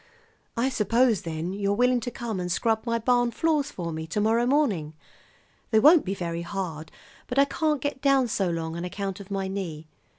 "I suppose, then, you're willing to come and scrub my barn floors for me to morrow morning. They won't be very hard, but I can't get down so long on account of my knee.